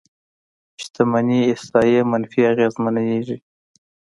شتمنۍ احصایې منفي اغېزمنېږي.